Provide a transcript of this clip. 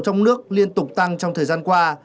trong nước liên tục tăng trong thời gian qua